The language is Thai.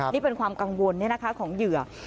นี่เป็นความกังวลของเหยื่อ